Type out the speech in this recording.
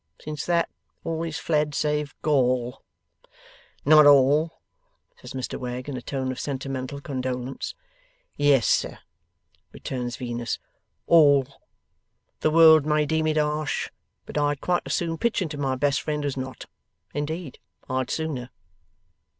Since that, all is fled, save gall.' 'Not all,' says Mr Wegg, in a tone of sentimental condolence. 'Yes, sir,' returns Venus, 'all! The world may deem it harsh, but I'd quite as soon pitch into my best friend as not. Indeed, I'd sooner!